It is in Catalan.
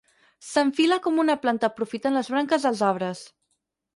S'enfila com una planta aprofitant les branques dels arbres.